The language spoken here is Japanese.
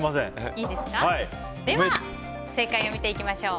では正解を見ていきましょう。